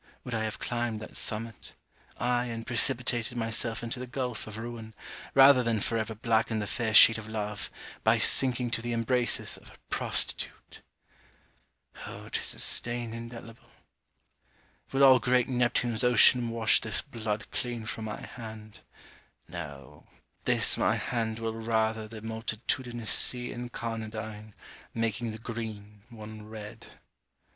would I have climbed that summit aye and precipitated myself into the gulph of ruin, rather than forever blacken the fair sheet of love, by sinking to the embraces of a prostitute! Oh 'tis a stain indelible! Will all great Neptune's ocean wash this blood Clean from my hand? No; this my hand will rather The multitudinous sea incarnadine, Making the green, one red.